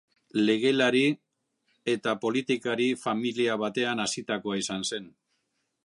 Legelari- eta politikari-familia batean hazitakoa izan zen.